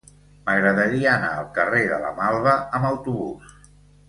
M'agradaria anar al carrer de la Malva amb autobús.